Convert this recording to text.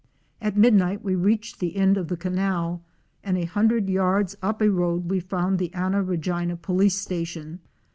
243 At midnight we reached the end of the canal, and a hundred yards up a road we found the Anna Regina police station.